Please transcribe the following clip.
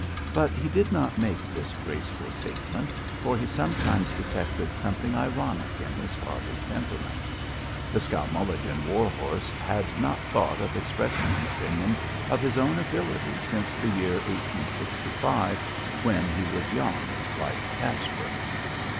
But he did not make this graceful statement, for he sometimes detected something ironic in his father's temperament. The Skowmulligan war horse had not thought of expressing an opinion of his own ability since the year 1865, when he was young, like Caspar.